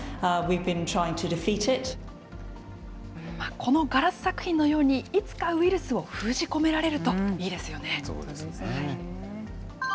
このガラス作品のように、いつかウイルスを封じ込められるといいですよね。